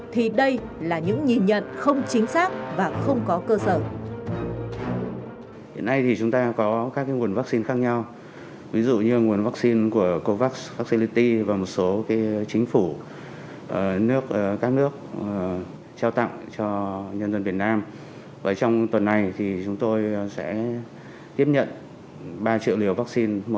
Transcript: thì đây là những nhìn nhận không chính xác và không có cơ sở